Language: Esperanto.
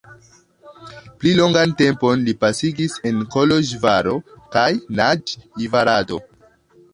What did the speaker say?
Pli longan tempon li pasigis en Koloĵvaro kaj Nadjvarado.